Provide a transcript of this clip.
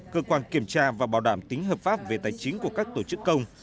cơ quan kiểm tra và bảo đảm tính hợp pháp về tài chính của các tổ chức công